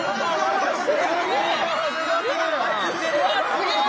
すげえ！